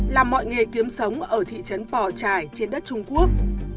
làm mọi nghề kiếm sống ở thị trấn pò trải trên đất trung quốc